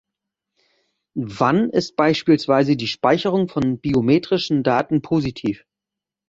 Wann ist beispielsweise die Speicherung von biometrischen Daten positiv?